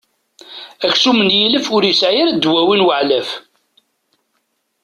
Aksum n yilef ur yesεi ara ddwawi n weεlaf.